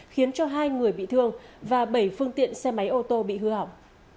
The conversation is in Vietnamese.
khiến cho hai người bị thương và bảy phương tiện xe máy ô tô bị hư hỏng